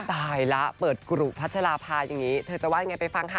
ตายแล้วเปิดกรุพัชราภาอย่างนี้เธอจะว่ายังไงไปฟังค่ะ